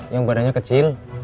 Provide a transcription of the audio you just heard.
yang badannya kecil